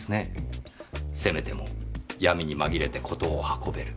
せめても闇にまぎれて事を運べる。